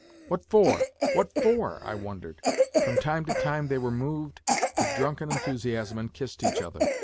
"What for? What for?" I wondered. From time to time they were moved to drunken enthusiasm and kissed each other.